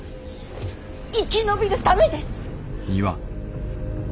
生き延びるためです！